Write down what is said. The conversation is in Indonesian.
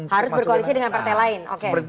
harus berkoalisi dengan partai lain